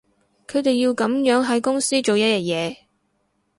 佢哋要噉樣喺公司做一日嘢